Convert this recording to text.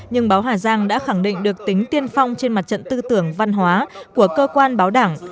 nhưng báo hà giang đã khẳng định được tính tiên phong trên mặt trận tư tưởng văn hóa của cơ quan báo đảng